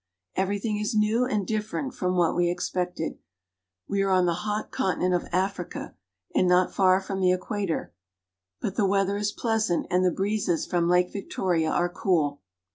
Everything is new and different from what we expected. We are on the hot continent of Africa and not far from the equator ; but the weather is pleasant, and the breezes from Lake Victoria are cool.